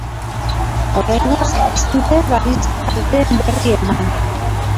Oraingoz ez dute balizko kalteen berri eman.